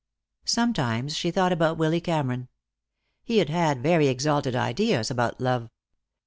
Sometimes she thought about Willy Cameron. He had had very exalted ideas about love.